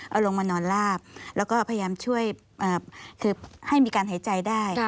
เอาลงมานอนลาบแล้วก็พยายามช่วยคือให้มีการหายใจได้